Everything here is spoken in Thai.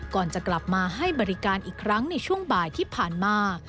ก่อนจะกลับมาให้บริการอีกครั้งในช่วงบ่ายที่ผ่านมา